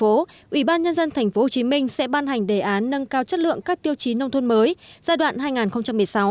thành ủy ban nhân dân tp hcm sẽ ban hành đề án nâng cao chất lượng các tiêu chí nông thôn mới giai đoạn hai nghìn một mươi sáu hai nghìn hai mươi